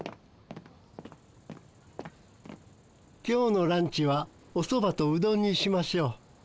今日のランチはおそばとうどんにしましょう。